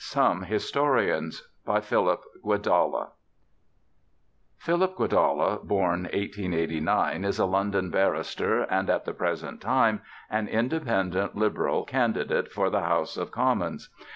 SOME HISTORIANS By PHILIP GUEDALLA Philip Guedalla, born 1889, is a London barrister and at the present time an Independent Liberal candidate for the House of Commons.